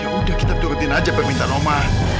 ya udah kita turutin aja permintaan oma